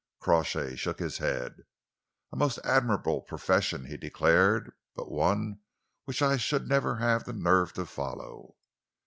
Crawshay shook his head. "A most admirable profession," he declared, "but one which I should never have the nerve to follow."